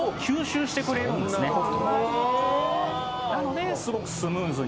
なのですごくスムーズに。